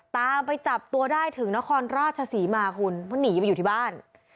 ตามไปจับตัวได้ถึงนครราชศรีมาคุณเพราะหนีไปอยู่ที่บ้าน